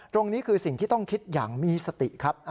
ตรงนี้คือสิ่งที่ต้องคิดอย่างมีสติครับ